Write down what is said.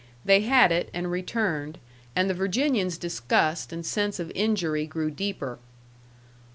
They had it, and returned, and the Virginian's disgust and sense of injury grew deeper.